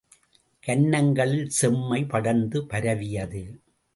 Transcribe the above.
கன்னங்களில் செம்மை படர்ந்து பரவியது.